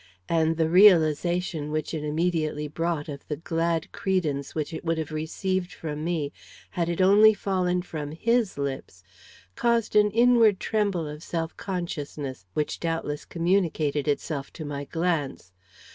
And the realization which it immediately brought of the glad credence which it would have received from me had it only fallen from his lips caused an inward tremble of self consciousness which doubtless communicated itself to my glance.